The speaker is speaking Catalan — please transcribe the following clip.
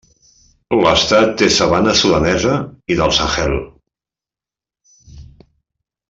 L'estat té sabana sudanesa i del Sahel.